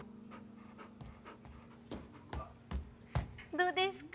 どうですか？